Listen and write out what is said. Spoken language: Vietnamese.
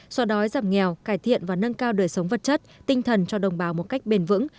so đói giảm nghèo cải thiện và nâng cao đời sống vật chất tinh thần cho đồng bào một cách bền vững